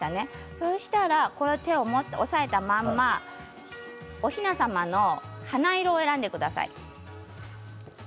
そうしたら手を押さえたままおひな様の花色を選んでください。